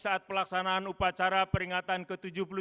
saat pelaksanaan upacara peringatan ke tujuh puluh tiga